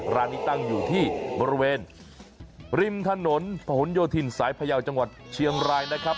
ร้านนี้ตั้งอยู่ที่บริเวณริมถนนผนโยธินสายพยาวจังหวัดเชียงรายนะครับ